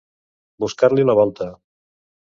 Buscar-li la volta.